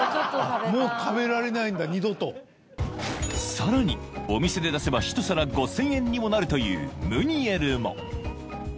［さらにお店で出せば１皿５，０００円にもなるというムニエルも］